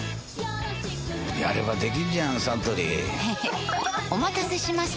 やればできんじゃんサントリーへへっお待たせしました！